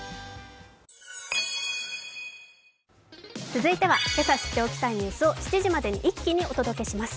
続いては今朝知っておきたいニュースを７時まで一気にお伝えします。